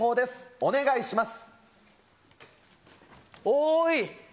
お願いします。